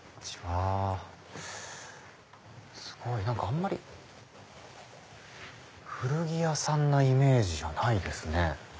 何かあんまり古着屋さんなイメージじゃないですね。